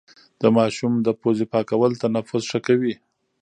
د ماشوم د پوزې پاکول تنفس ښه کوي.